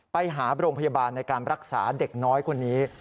ไปหาโรงพยาบาลในการรักษาเด็กน้อยคนนี้